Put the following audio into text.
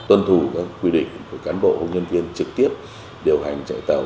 tuân thủ các quy định của cán bộ công nhân viên trực tiếp điều hành chạy tàu